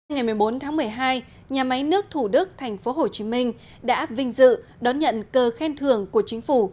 ngày một mươi bốn tháng một mươi hai nhà máy nước thủ đức tp hcm đã vinh dự đón nhận cơ khen thưởng của chính phủ